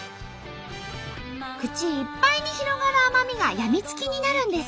口いっぱいに広がる甘みが病みつきになるんです。